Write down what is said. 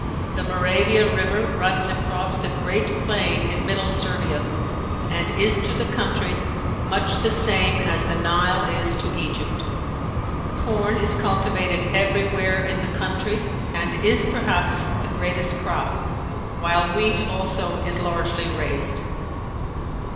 The Moravia river runs across the great plain in middle Servia and is to the country much the same as the Nile is to Egypt. Corn is cultivated everywhere in the country and is perhaps the greatest crop, while wheat also is largely raised.